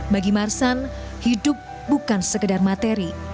bagi marsan hidup bukan sekedar materi